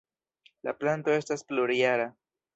La planto estas plurjara.